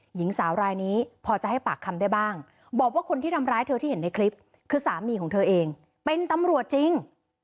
หญิงสาวรายนี้พอจะให้ปากคำได้บ้างบอกว่าคนที่ทำร้ายเธอที่เห็นในคลิปคือสามีของเธอเองเป็นตำรวจจริง